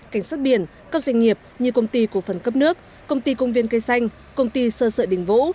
cảnh sát biển các doanh nghiệp như công ty cổ phần cấp nước công ty công viên cây xanh công ty sơ sợi đình vũ